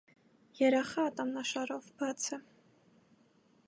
Երախը՝ ատամնաշարով, բաց է։